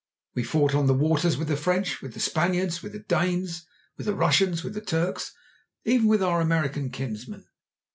We fought on the waters with the French, with the Spaniards, with the Danes, with the Russians, with the Turks, even with our American kinsmen.